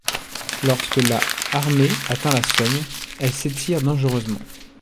Lorsque la armée atteint la Somme, elle s'étire dangereusement.